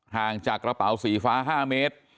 ห่างจากกระเป๋าสีฟ้า๕เมตร